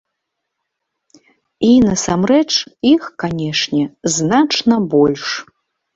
І, насамрэч, іх, канешне, значна больш.